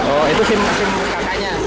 oh itu simp kakaknya